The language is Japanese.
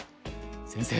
先生